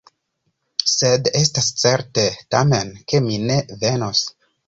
Sed estas certe, tamen, ke mi ne venos.